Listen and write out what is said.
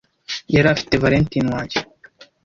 yari afite valentine wanjye